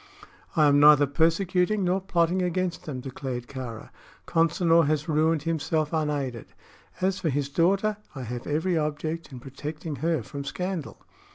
"I am neither persecuting nor plotting against them," declared Kāra. "Consinor has ruined himself unaided. As for his daughter, I have every object in protecting her from scandal."